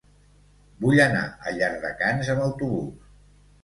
Vull anar a Llardecans amb autobús.